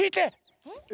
えっ？